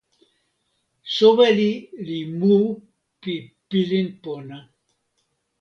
soweli li mu pi pilin pona.